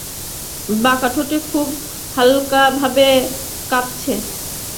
বাঁকা ঠোঁট খুব হালকাভাবে কাঁপছে।